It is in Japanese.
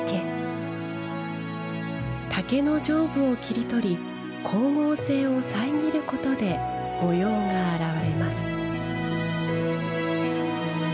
竹の上部を切り取り光合成を遮ることで模様が現れます。